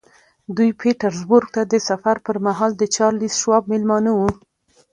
دوی پیټرزبورګ ته د سفر پر مهال د چارلیس شواب مېلمانه وو